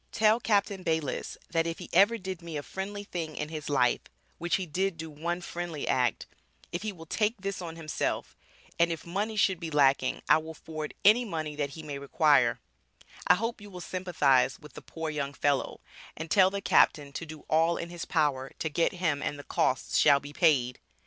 Tell Captain Bayliss that if he ever did me a friendly thing in his life which he did do one friendly act, if he will take this on himself, and if money should be lacking I will forward any money that he may require, I hope you will sympathize with the poor young fellow, and tell the captain to do all in his power to get him and the costs shall be paid.